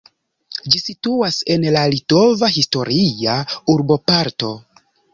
Ĝi situas en la litova historia urboparto.